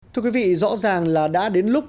thưa quý vị rõ ràng là đã đến lúc